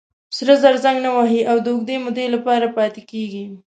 سره زر زنګ نه وهي او د اوږدې مودې لپاره پاتې کېږي.